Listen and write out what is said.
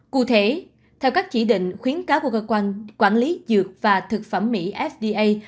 cụ thể theo các chỉ định khuyến cáo của cơ quan quản lý dược và thực phẩm mỹ fda